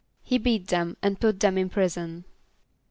=He beat them and put them in prison.